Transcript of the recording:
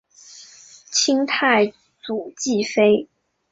清太祖继妃。